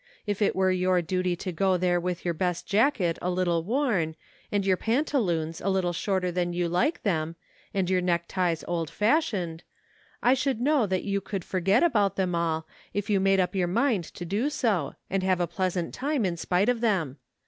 If it were your duty to go there with your best jacket a little worn and your pantaloons a little shorter than you like them and your neckties old fash ioned, T should know that you could forget about them all, if you made up your mind to do so, and have a pleasant time in spite of them.